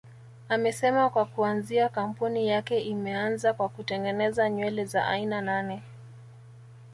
Amesema kwa kuanzia kampuni yake imeanza kwa kutengeneza nywele za aina nane